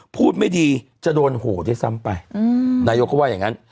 พูดไม่ดีจะโดนโหด้วยซ้ำไปนายกเขาว่าอย่างนั้น